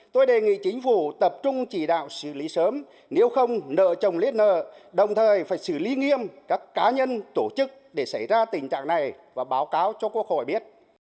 tôi đề nghị chính phủ tập trung chỉ đạo xử lý sớm nếu không nợ trồng lấy nợ đồng thời phải xử lý nghiêm các cá nhân tổ chức để xảy ra tình trạng này và báo cáo cho quốc hội biết